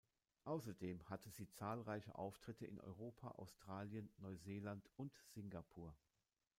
Außerdem hatte sie zahlreiche Auftritte in Europa, Australien, Neuseeland und Singapur.